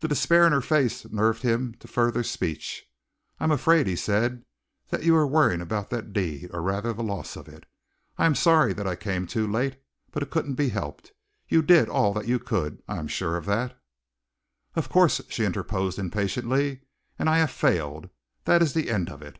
The despair in her face nerved him to further speech. "I am afraid," he said, "that you are worrying about that deed or rather the loss of it. I am sorry that I came too late, but it couldn't be helped. You did all that you could! I am sure of that." "Of course!" she interposed impatiently. "And I have failed! That is the end of it!"